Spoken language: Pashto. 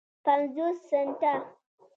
پینځوس سنټه